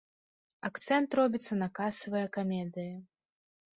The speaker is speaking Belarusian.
Акцэнт робіцца на касавыя камедыі.